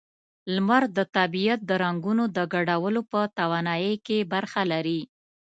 لمر د طبیعت د رنگونو د ګډولو په توانایۍ کې برخه لري.